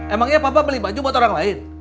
emangnya papa beli baju buat orang lain